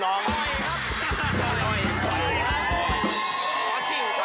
สวิส์เดียวครับ